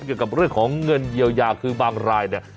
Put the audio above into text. เกี่ยวกับเรื่องของเงินเยียวยาคือบางรายเนี่ย